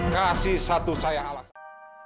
kasih satu saya alasan